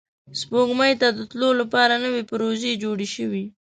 سپوږمۍ ته د تلو لپاره نوې پروژې جوړې شوې